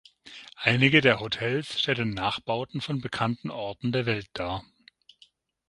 Einige der Hotels stellen Nachbauten von bekannten Orten der Welt dar.